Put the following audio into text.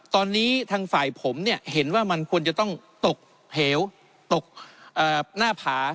ตอนนี้ทางฝ่ายผมเนี่ยเห็นว่ามันควรจะต้องตกเหวตกหน้าผา